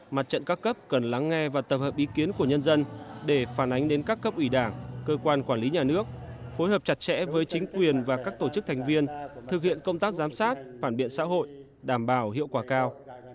mặt trận các cấp cần lắng nghe và tập hợp ý kiến của nhân dân để phản ánh đến các cấp ủy đảng cơ quan quản lý nhà nước phối hợp chặt chẽ với chính quyền và các tổ chức thành viên thực hiện công tác giám sát phản biện xã hội đảm bảo hiệu quả cao